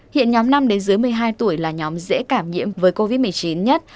hiện nhóm năm đến dưới một mươi hai tuổi là nhóm dễ cảm nhiễm với covid một mươi chín nhất